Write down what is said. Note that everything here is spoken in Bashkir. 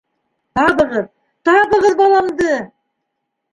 Табығыҙ, табығыҙ баламды!